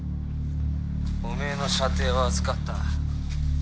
おめえの舎弟は預かった。